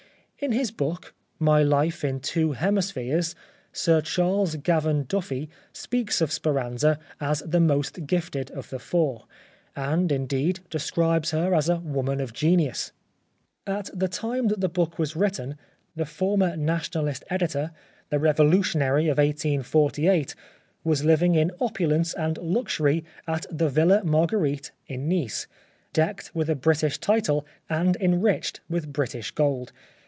In his book, " My Life in Two Hemispheres," Sir Charles Gavan Duffy speaks of Speranza as the most gifted of the four, and, indeed, describes her as " a woman of genius." At the time that that book was written the former Nationalist editor, 47 The Life of Oscar Wilde the Revolutionary of 1848, was living in opulence and luxury at the Villa Marguerite in Nice ; decked with a British title and enriched with British gold.